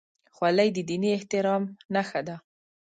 خولۍ د دیني احترام نښه ده.